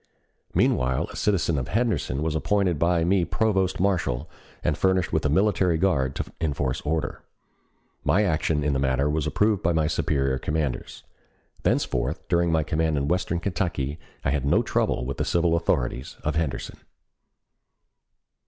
Meanwhile a citizen of Henderson was appointed by me provost marshal and furnished with a military guard to enforce order. My action in the matter was approved by my superior commanders. Thenceforth during my command in western Kentucky I had no trouble with the civil authorities of Henderson.